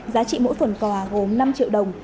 giá trị mỗi phần quà gồm năm triệu đồng